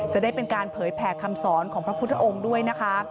จะได้เป็นการเผยแผ่คำสอนของพระพุทธองค์ด้วยนะคะ